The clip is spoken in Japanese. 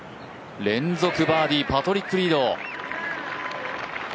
連続バーディー、パトリック・リード。